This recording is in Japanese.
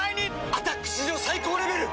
「アタック」史上最高レベル！